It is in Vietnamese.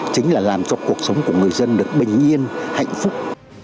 chính là làm cho cuộc sống của người dân được bình yên hạnh phúc